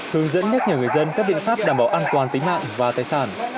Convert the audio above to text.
hướng dẫn nhắc nhở người dân các biện pháp đảm bảo an toàn tính mạng và tài sản